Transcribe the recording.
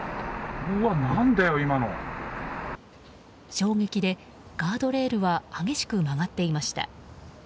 衝撃でガードレールは激しく曲がっていました。